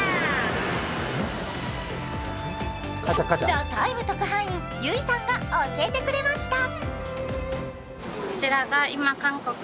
そこで「ＴＨＥＴＩＭＥ，」特派員、ゆいさんが教えてくれました。